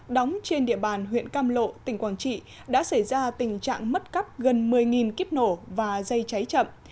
đóng trên địa bàn huyện cam lộ tỉnh quảng trị đã xảy ra tình trạng mất cắp gần một mươi kíp nổ và dây cháy chậm